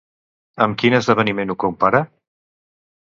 Amb quin esdeveniment ho compara?